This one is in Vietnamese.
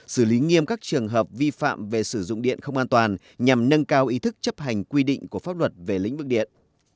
xử lý nghiêm các trường hợp vi phạm về sử dụng điện không an toàn nhằm nâng cao ý thức chấp hành quy định của pháp luật về lĩnh vực điện